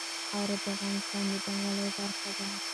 خاوره د افغانستان د بڼوالۍ برخه ده.